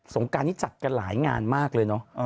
งการนี้จัดกันหลายงานมากเลยเนอะ